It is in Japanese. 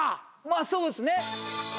まあそうですね。